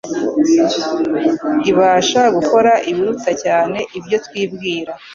ibasha gukore ibiruta cyane ibyo twibwira